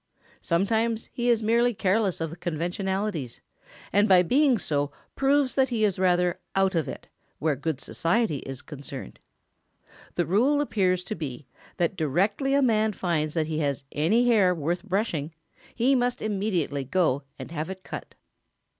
Sometimes he is merely careless of conventionalities, and by being so proves that he is rather "out of it" where good society is concerned. The rule appears to be that directly a man finds that he has any hair worth brushing, he must immediately go and have it cut.